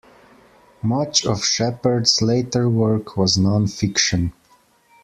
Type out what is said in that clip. Much of Shepard's later work was non-fiction.